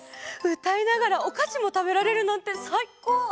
うたいながらおかしもたべられるなんてさいこう！